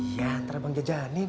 ya ntar bang jajanin